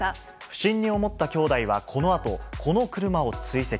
不審に思った兄弟は、このあと、この車を追跡。